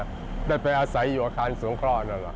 จะไปอาศัยอยู่อาคารสงคร